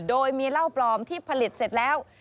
โดยมีเหล้าปลอมที่ผลิตเสร็จแล้ว